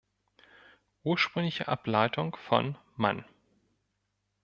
Ursprüngliche Ableitung von „Mann“.